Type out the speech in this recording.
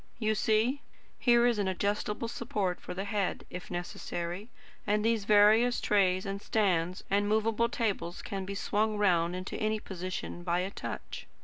You see? Here is an adjustable support for the head, if necessary; and these various trays and stands and movable tables can be swung round into any position by a touch.